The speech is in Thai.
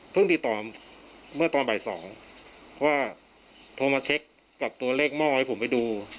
ติดต่อเมื่อตอนบ่าย๒ว่าโทรมาเช็คกับตัวเลขหม้อให้ผมไปดู